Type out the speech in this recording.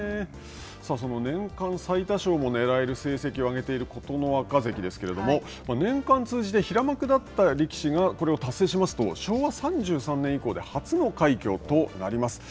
さあ、その年間最多勝もねらえる成績を上げている琴ノ若関ですけれども、年間通じて平幕だった力士がこれを達成しますと、昭和３３年以降で初の快挙となります。